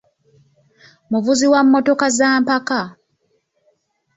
Muvuzi wa mmotoka za mpaka.